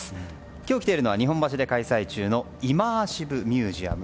今日来ているのは日本橋で開催中のイマーシブミュージアム。